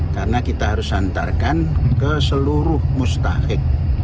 karena kita harus hantarkan ke seluruh mustahik